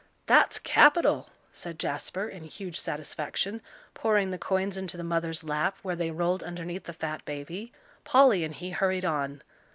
"That's capital," said Jasper, in huge satisfaction, pouring the coins into the mother's lap, where they rolled underneath the fat baby. Polly and he hurried on.